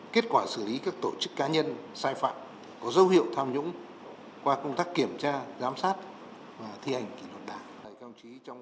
kết quả xử lý các tổ chức cá nhân sai phạm có dấu hiệu tham nhũng qua công tác kiểm tra giám sát và thi hành